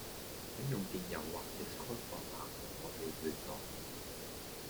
請用電郵或 Discourse 論壇同我地聯絡